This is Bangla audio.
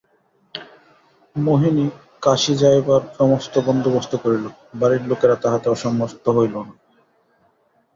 মোহিনী কাশী যাইবার সমস্ত বন্দোবস্ত করিল, বাড়ির লোকেরা তাহাতে অসম্মত হইল না।